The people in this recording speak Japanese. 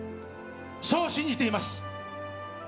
そう信じています。